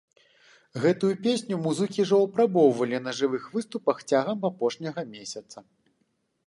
Гэтую песню музыкі ўжо апрабоўвалі на жывых выступах цягам апошняга месяца.